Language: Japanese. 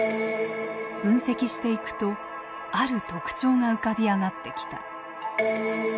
分析していくとある特徴が浮かび上がってきた。